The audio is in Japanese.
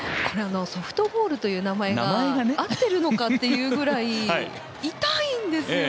ソフトボールという名前が合っているのかというぐらい痛いんですよ。